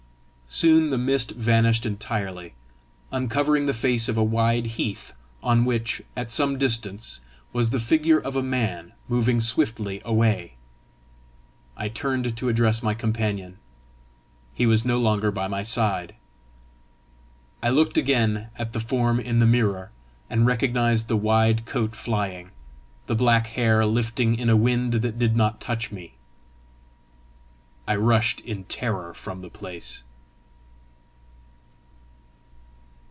Soon the mist vanished entirely, uncovering the face of a wide heath, on which, at some distance, was the figure of a man moving swiftly away. I turned to address my companion; he was no longer by my side. I looked again at the form in the mirror, and recognised the wide coat flying, the black hair lifting in a wind that did not touch me. I rushed in terror from the place.